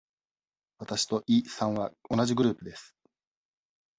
わたしとイさんは同じグループです。